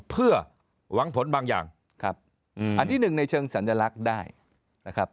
เพื่อหวังผลบางอย่างครับอันที่หนึ่งในเชิงสัญลักษณ์ได้นะครับ